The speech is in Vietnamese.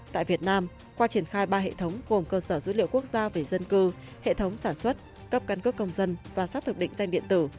tại việt nam qua triển khai ba hệ thống gồm cơ sở dữ liệu quốc gia về dân cư hệ thống sản xuất cấp căn cước công dân và xác thực định danh điện tử